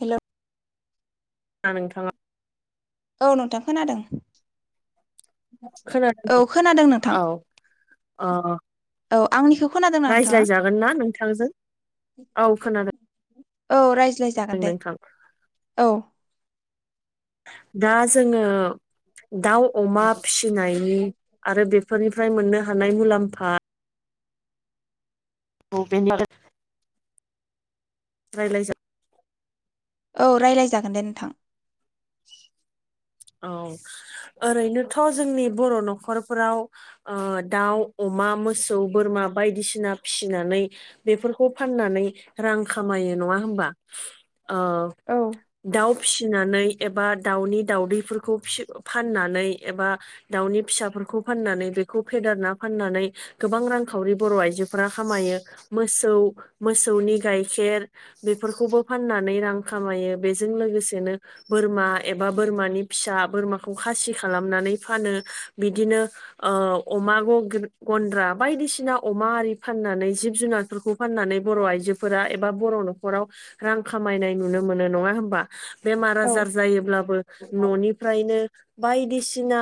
Hello ना नोंथाङा औ नोंथां खोनादों औ खोनादोंनो खोनादों नोंथां औ अ औ आंनिखौ खोनादोंना नोंथाङा रायज्लायजागोन ना नोंथांजों औ खोनादों औ रायज्लायजागोन दे नोंथां औ दा जोंङो दाउ अमा फिसिनायनि आरो बे फोरनिफ्राय मोननो हानाय मुलाम्फा औ बे रायलाय जा औ रायज्लाय जागोन दे नोंथां [inaudible] औ ओरैनोथ' जोंनि बर' न'खरफोराव ओ दाउ अ मा मोसौ बोरमा बायदिसिना फिसिनानै बेफोरखौ फाननानै रां खामायो नंङा होमबा ओ औ दाउ फिसिनानै एबा दाउनि दाउदै फोरखौ फाननानै एबा दाउनि फिसाफोरखौ फाननानै बेखौ फेदेरना फाननानै गोबां रांखावरि बर' आइजोफोरा खामायो मोसौ मोसौनि गाइखेर बेफोरखौबो फाननानै रां खामायो बेजों लोगोसेनो बोरमा एबा बोरमानि फिसा बोरमाखौ खासि खालामनानै फानो बिदिनो अमा गग्रा गन्द्रा बायदिसिना अमा आरि फाननानै जिब जुनारफोरखौ फाननानै बर' आइजोफोरा एबा बर' न'खराव रां खामायनाय नुनो मोनो नङा होमबा? बेमार औ आजार जायोब्लाबो न'निफ्रायनो बायदि सिना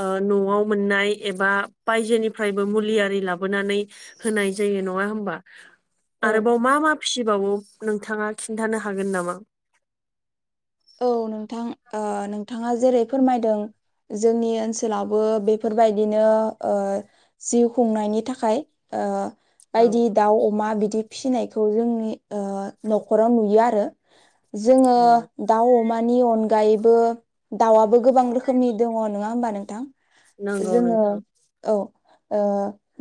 ओ न'आव मोननाय एबा बायजोनिफ्रायबो मुलि आरि लाबोनानै होनाय जायो नङा होमबा? औ आरोबाव मा मा फिसिबावो नोंथाङा खिन्थानो हागोन नामा? औ नोंथां ओ नोंथाङा जेरै फोरमायदों जोंनि ओनसोलावबो बेफोरबायदिनो ओ जिउ खुंनायनि थाखाय ओ औ बायदि दाउ अमा दि फिसिनायखौ जोंनि ओ न'खराव नुयो आरो जोङो औ दाउ अमानि अनगायैबो दाउआबो गोबां रोखोमनि दङ नङा होमबा नोंथां? नंगौ जोङो नोंथां औ ओ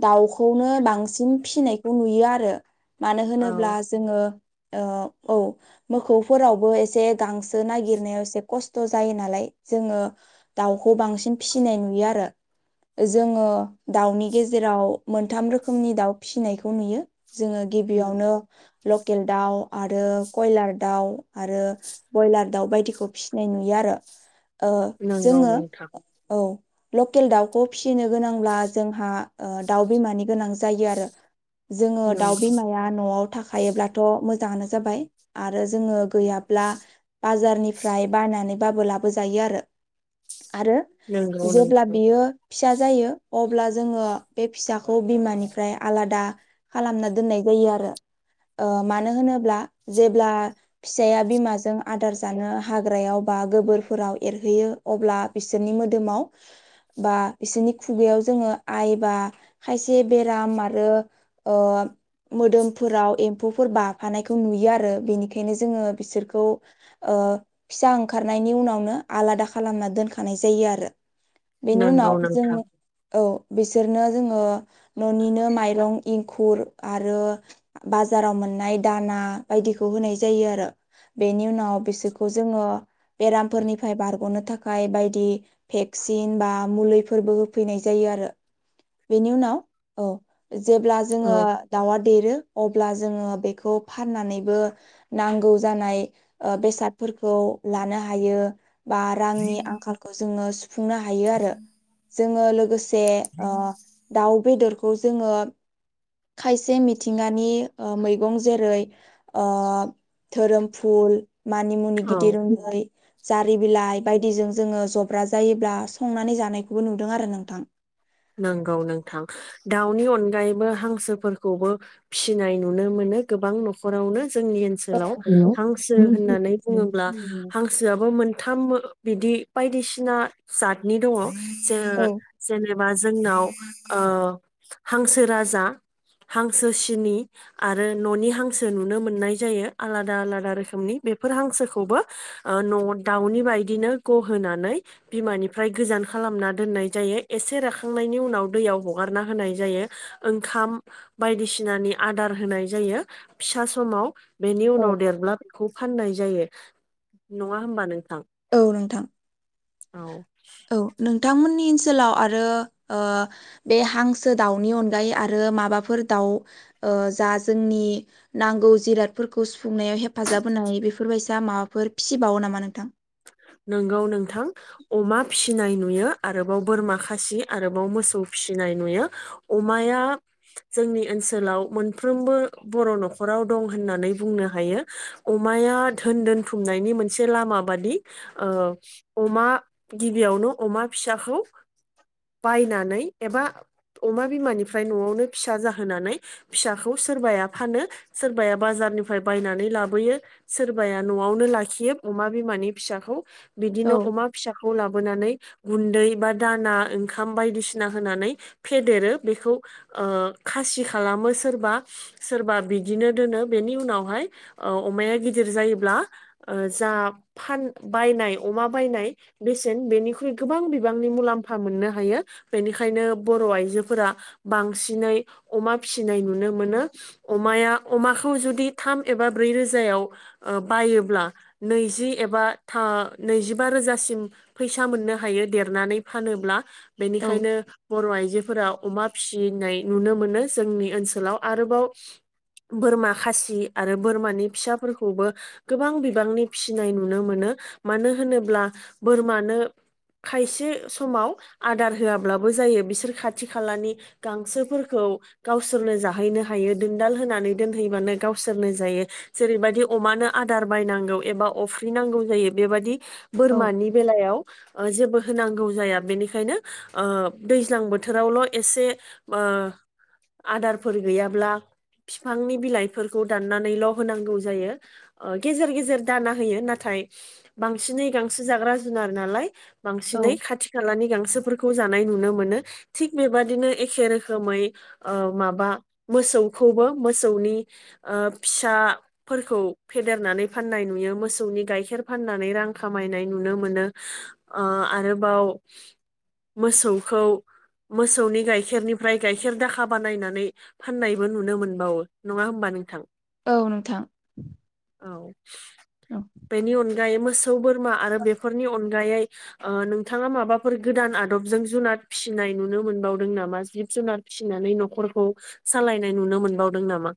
दाउखौनो सिन फिसिनायखौ नुयो आरो मानो होनोब्ला औ जोङो औ मोखौफोरावबो एसे गांसो नागिरनायाव एसे खस्थ' जायो नालाय जोङो दाउखौ बांसिन फिसिनाय नुयो आरो जोङो दाउनि गेजेराव मोनथाम रोखोमनि दाउ फिसिनायखौ नुयो जोङो गिबियावनो लकेल दाउ आरो कयलार दाउ आरो ब्रयलार दाउ बायदिखौ फिसिनाय नुयो आरो नंगौ जोङो नोंथां औ लकेल दाउखौ फिसिनो गोनांब्ला जोंहा दाउ बिमानि गोनां जायो आरो जोङो दाउ नंगौ बिमाया न'आव थाखायोब्लाथ' मोजाङानो जाबाय आरो जोङो गैयाब्ला बाजारनिफ्राय बायनानै बाबो लाबोजायो आरो आरो नंगौ जेब्ला नोंथां बियो फिसा जायो अब्ला जोङो बे फिसाखौ बिमानिफ्राय आलादा खालामना दोननाय ज मानो होनोब्ला जेब्ला फिसाया बिमाजों आदार जानो हाग्रायाव बा गोबोरफोराव एरहैयो अब्ला बिसोरनि मोदोमाव बा बिसोरनि खुगायाव जोङो आइ बा खायसे बेराम आरो मोदोमफोराव एम्फौफोर बाफानायखौ नुयो आरो बेनिखायनो जोङो बिसोरखौ फिसा ओंखारनायनि उनावनो आलादा खालामना दोनखानाय जायो आरो बेनि नंगौ उनाव जों नोंथां औ बिसोरनो जोङो न'निनो माइरं एंखुर आरो बाजाराव मोननाय दाना बायदिखौ होनाय जायो आरो बेनि उनाव बिसोरखौ जोङो बेरामफोरनिफ्राय बारग'नो थाखाय बायदि भेक्सिन बा मुलिफोरबो होफैनाय जायो बेनि उनाव औ जेब्ला जोङो औ दाउआ देरो अब्ला जोङो बेखौ फाननानैबो नांगौ जानाय बेसादफोरखौ लानो हायो बा रांनि आंखालखौ जोङो फुंनो हायो आरो जोङो लोगोसे दाउ बेदरखौ खौ जोङो खायसे मिथिंगानि मैगं जेरै धोरोम फुल मानि मुनि औ गिदिर उन्दै जारि बिलाइ बायदिजों जोङो जब्रा जायोब्ला संनानै जानायखौबो नुदों आरो नोंथां। नांगौ नोंथां दाउनि अनगायैबो हांसोफोरखौबो फिसिनाय नुनो मोन नों गोबां न'खरावनो। जोंनि औ ओनसोलाव हांसो होननानै बुङोब्ला हांसोआबो मोनथाम बिदि बायदिसिना जातनि दङ ज जेनेबा मा जोंनाव ओ हांसो राजा हांसो सिनि आरो न'नि हांसो नुनो मोननाय जायो आलादा आलादा रोखोमनि बेफोर हांसोखौबो ओ दाउनि बायदिनो गहोनानै बिमानिफ्राय गोजान खालामना दोननाय जायो एसे एसे रखांनायनि उनाव दैयाव हगारना होनाय जायो ओंखाम बायदिसिनानि आादार होन नाय जायो फिसा समाव बेनि उनाव औ देरब्ला बेखौ फाननाय जायो नङा होमबा नों औ नोंथां औ औ नों नोंथांमोननि ओनसोलाव आरो ओ बे हांसो दाउनि अनगायै आरो माबाफोर दाउ औ ओ जाजोंनि नांगौ जिरादफोरखौ सुुंफुंनायाव हेफाजाब होनायफोरबा जा माबाफोर फिसिबावो नामा नोंथां? नोंगौ नोंथां अमा फिसिनाय नुयो आरोबाव बोरमा खासि आरोबाव मोसौ फिसिनाय नुयो अमाया जोंनि ओनसोलाव मोनफ्रोमबो बर' न'खराव दं होननानै बुंनो हायो अमाया धोन दोनथुमनायनि मोनसे लामा माबादि ओ अमा गिबियावनो अमा फिसाखौ बायनानै एबा अमा बिमानिफ्राय न'आवनो फिसा जाहोनानै फिसाखौ सोरबाया फानो सोरबाया बाजार बाजार निफ्राय बायनानै लाबोयो सोरबाया न'आवनो लाखियो अमा बिमानि फिसाखौ बिदिनो औ अमा फिसाखौ लाबोनानै गुन्दै बा दाना ओंखाम बायदिसिना होनानै फेदेरो बेखौ ओ खा सिखालामो सोरबा सोरबा बिदिनो दोनो उनावहाय औअमाया गोदिर जा जायोब्ला ओ‌ जा फान बायनाय अमा बायनाय बेसेन बेनिख्रुइ गोबां बिबांनि मुलाम्फा मोननो हायो। बेनिखायनो बर' आइजोफोरा बांसिनै अमा फिसिनाय नुनो मोनो। अमाया‌ अमाखौ जुदि थाम एबा ब्रै रोजायाव ओ बायोब्ला नैजि एबा था नैजिबा रोजासिम फैसा मोननो हायो देरनानै फानोब्ला औ बेनिखायनो बर' आइजोफोराव अमा फिसिनाय नुनो मोनो जोंनि ओनसोलाव आरोबाव बोरमा खासि आरो बोरमानि फिसाफोरखौबो हो‌ गोबां बिबांनि फि नाय नुनो मोनो मानो होनोब्ला बोरमानो खायसे समाव आदार होआब्लाबो जायो बिसोर खाथि खालानि गांसोफोरखौ औ गावसोरनो जाहैनो हायो दोनदाल होनानै दोनहैबानो गावसोरनो जायो जेरैबायदि अ मानो आदार बायनांगौ एबा अफ्रि नांगौ जायो बेबायदि बोरमानि बेलायाव जेबो होनांगौ जाया बेनिखायनो ओ दैज्लां बोथोरावल' एसे ओ आदारफोर गैयाब्ला बिफांनि बिलाइफोरखौ दाननानैल' होनांगौ जायो गेजेर गेजेर दाना होयो नाथाय बांसिनै गांसो जाग्रा जुनार नालाय बांसिनै औ खाथि खालानि गांसोफोर खौ जानाय नुनो मोन थि बेबदिनो एखे रोखै ओ माबा मोसौ खौबो मोसौनि ओ फिसाफोरखौ फेदेरनानै फाननाय नुयोमोन मोसौनि गाइखेर फाननानै रां खामायनाय नुनो मोनोओ आरोबाव मोसौखौ मोसौनि गाइखेरनिफ्राय गाइखेर दाखा बानायनानै फाननायबो नुनो मोनबावो नङा होमबा नोंथां औ नोंथां औ औ बेनि अनगायै मोसौ बोरमा आरो बेफोरनि अनगायै ओ नोंथाङा माबाफोर गोदान आदबजों जुनाद फिसिनाय नुनो मोनबावदों नामा जिब जुनाद? फिसिनानै न'खरखौ सालायनाय नुनो मोनबावदों नामा?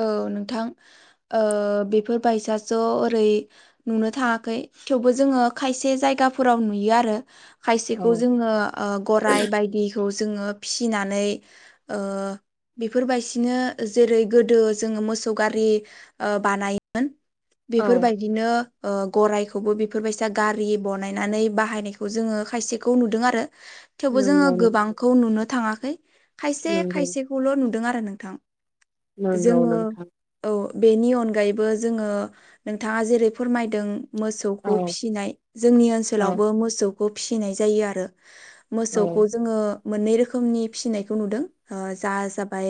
औ नोंथां ओ बेफोरबायसाज' ओरै नुनो थाङाखै थेवबो जोङो खायसे जायगाफोराव नुयो आरो खायसेखौ औ जोङो ओ गराइ बायदिखौ जोङो फिसिनानै ओ बेफोरबायसिनो जेरै गोदो जोङो मोसौ गारि ओ बानायोमोन औ बेफोरबायदिनो ओ गराइखौबो बेफोरबायसा गारि बनायनानै बाहायनायखौ जोङो खायसेखौ नुदों आरो थेवबो जोङो नंगौ गोबांखौ नुनो थाङाखै खायसे नंगौ खायसेखौल' नुदों आ रो नोंथां नंगौ जोङो नोंथां औ बेनि अनगायैबो जोङो नोंथाङा जेरै फोरमायदों मोसौखौ औ फिसिनाय जोंनि औ ओनसोलावबो मोसौखौ फिसिनाय जायो आरो। औ मोसौखौ जोङो मोननै रोखोमनि फिसिनायखौ नुदों। ओ जा-जाबाय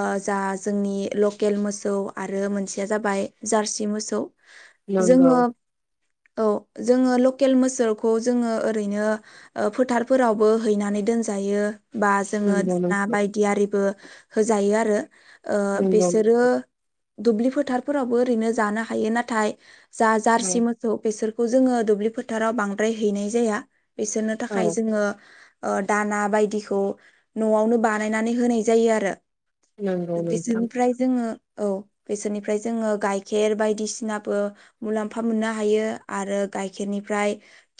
ओ जा जोंनि लकेल मोसौ आरो मोनसेया जाबाय जार्सि मोसौ। नोंगौ जोङो औ जोङो लकेल मोसौखौ जोङो ओरैनो ओ फोथारफोरावबो हैनानै दोनजायो। बा जोङो नंगौ दाना नोंथां बायदि आरिबो होजायो आरो। ओ नंगौ बिसोरो दुब्लि फोथारफोरावबो ओरैनो जानो हायो नाथाय जा-जार्सि औ मोखौ बेसोरखौ जोङो दुब्लि फोथाराव बांद्राय हैनाय जाया। बिसोरनो थाखाय औ जोङो ओ दाना बायदिखौ न'आवनो बानायनानै होनाय जायो आरो। नंगौ नोंथां बिसोरनिफ्राय जोङो औ बेसोरनिफ्राय जोङो गाइखेर बायदिसिनाबो मुलाम्फा मोननो हायो आरो गाइखेरनि फ्राय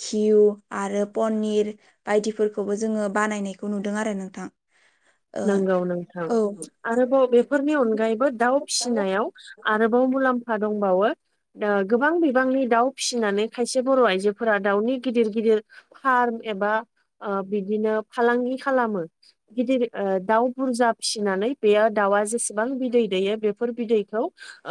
घिउ आरो पनिर बायदिफोरखौबो जोङो बानायनायखौ नुदों आरो नोंथां। ओ नोंगौ नोंथां औ आरोबाव बे फोरनि अनगायैबो दाउ फिसिनायाव आरोबाव मुलाम्फा दंबावो। दा गोबां बिबांनि दाउ फिसिनानै खायसे बर' आइजोफोरा दाउनि गिदिर गिदिर फार्म एबा ओ बिदिनो फालांगि खालामो। गिदिर ओ दाउ बुरजा फिसिनानै बेयो दाउआ जेसेबां बिदै दैयो बेफोर बिदैखौ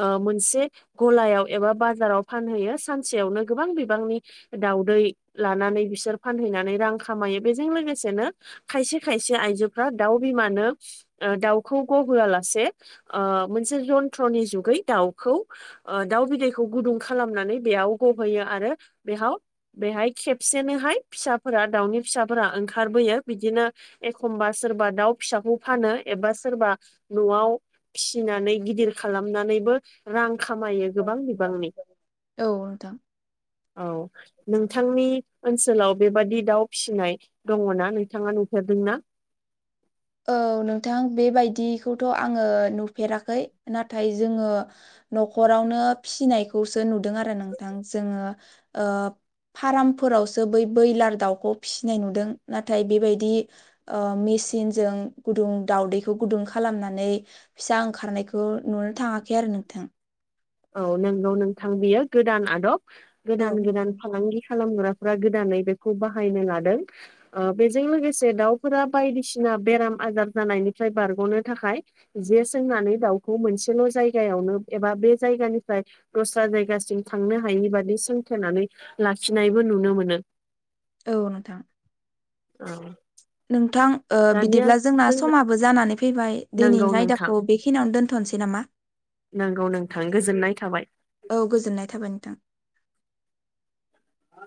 ओ मोनसे गलायाव एबा बाजाराव फानहैयो सानसेयावनो गोबां बिबांनि दाउदै लानानै बिसोर फानहैनानै रां खामायो। बेजों लोगोसेनो खायसे खायसे आइजो फोरा दाउ बिमानो ओ दाउखौ ग'होआ लासे ओ मोनसे ज'न्थ्रनि जुगै इ दाउखौ ओ दाउ बिदैखौ गुदुं खालामनानै बेयाव ग'होयो आरो बेयाव बेहाय खेबसेनोहाय फिसाफोरा दाउनि फिसाफोरा ओंखारबोयो। बिदिनो एखमबा सोरबा दाउ फिसाखौ फानो एबा सोरबा न'आव फिसिनानै गिदिर खालामनानैबो रां खामायो गोबां बिबांनि। औ नोंथां औ नोंथांनि ओनसोलाव बेबादि दाउ फिसिनाय दङ'ना नोंथाङा नुफेरदों ना? औ नोंथां बेबायदिखौथ' आङो नुफेराखै नाथाय जोङो न'खरावनो फिनायखौसो नुदों आरो नोंथां जोङो ओ फाराम फोरावसो बै बैयलार दाउखौ फिनाय नुदों। नाथाय बेबायदि ओ मेसिन जों गुदुं दावउदैखौ गुदुं खालामनानै फिसा ओंखारनायखौ नुनो थाङाखै आरो नोंथां। औ नोंगौ नोंथां बियो गोदान आदब। औ गोदान गोदान फालांगि खालामग्राफ्रा गोदानै बेखौ बाहायनो लादों। ओ बेजों लोगोसे दाउफोरा बायदिसिना बेराम आजार जानायनिफ्राय बारग'नो थाखाय जे सोंनानै दाउखौ मोनसेल' जायगायावनो एबा बे जायगानिफ्राय दस्रा जायगासिम थांनो हायिनि बादि सोंथेनानै लाखिनायबो नुनो मोनो [inaudible] औ नोंथां औ नोंथां ओ दानिया बिदिब्ला जोंना जों समाबो जानानै फैबाय नंगौ दिनैनि नोंथां आयदाखौ बेखिनियावनो दोनथ'नोसै नामा? नंगौ नोंथां गोजोननाय थाबाय औ गोजोननाय थाबाय नोंथां। आ